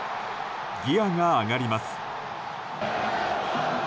ギアが上がります。